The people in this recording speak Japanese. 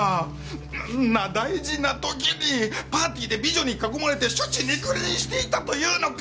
そんな大事な時にパーティーで美女に囲まれて酒池肉林していたというのか！